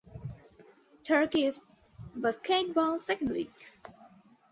Turkish Basketball Second League